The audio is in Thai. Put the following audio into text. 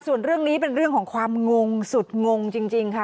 ส่วนเรื่องนี้เป็นเรื่องของความงงสุดงงจริงค่ะ